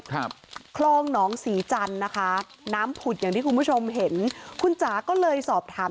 ครับคลองหนองศรีจันทร์นะคะน้ำผุดอย่างที่คุณผู้ชมเห็นคุณจ๋าก็เลยสอบถาม